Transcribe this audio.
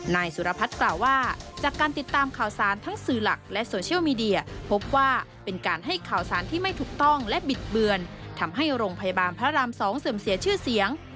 นายสุรพัฒน์กล่าวว่าจากการติดตามข่าวสารทั้งสื่อหลักและโซเชียลมีเดียพบว่าเป็นการให้ข่าวสารที่ไม่ถูกต้องและบิดเบือนทำให้โรงพยาบาลพระราม๒เสื่อมเสียชื่อเสียง